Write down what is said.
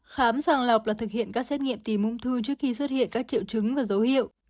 khám sàng lọc là thực hiện các xét nghiệm tìm ung thư trước khi xuất hiện các triệu chứng và dấu hiệu